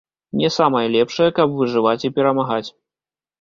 Не самая лепшая, каб выжываць і перамагаць.